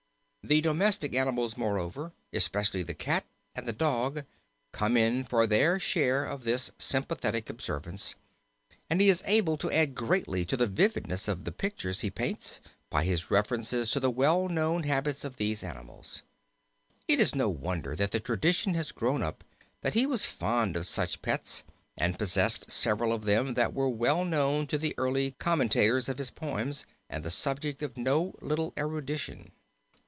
The domestic animals, moreover, especially the cat and the dog, come in for their share of this sympathetic observance, and he is able to add greatly to the vividness of the pictures he paints by his references to the well known habits of these animals. It is no wonder that the tradition has grown up that he was fond of such pets and possessed several of them that were well known to the early commentators on his poems, and the subject of no little erudition.